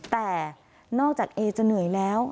แต่นอกจากเอจะเหนื่อยแล้ว